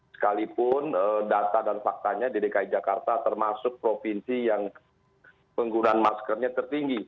sekalipun data dan faktanya di dki jakarta termasuk provinsi yang penggunaan maskernya tertinggi